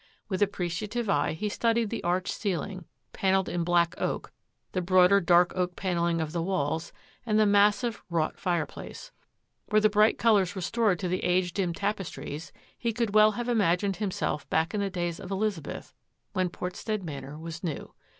With appreciative eye he studied the arched ceiling, panelled in black oak, the broader dark oak panel ling of the walls, and the massive, wrought fire place. Were the bright colours restored to the age dimmed tapestries, he could well have imagined himself back in the days of Elizabeth, when Port stead Manor was new.